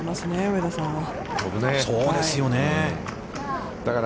上田さんは。